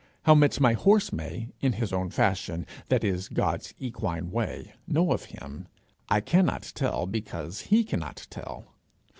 How much my horse may, in his own fashion that is, God's equine way know of him, I cannot tell, because he cannot tell.